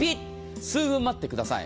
数分待ってください。